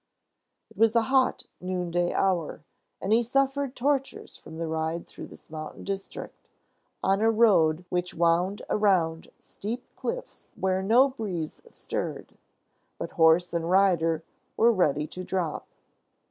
It was a hot noonday hour, and he suffered tortures from the ride through this mountain district on a road which wound around steep cliffs where no breeze stirred. Both horse and rider were ready to drop.